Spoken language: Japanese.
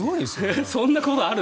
そんなことある？